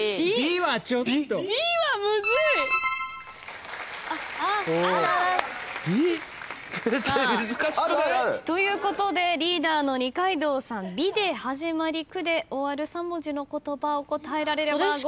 難しくない！？ということでリーダーの二階堂さん「び」で始まり「く」で終わる３文字の言葉を答えられればゴール。